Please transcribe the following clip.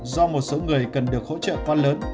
do một số người cần được hỗ trợ quá lớn